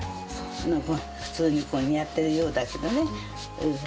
普通にやってるようだけどね。